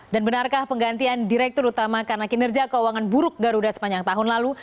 dan benarkah penggantian direktur utama karena kinerja keuangan buruk garuda sepanjang tahun lalu